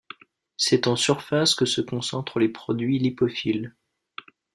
C'est en surface que se concentrent les produits lipophiles.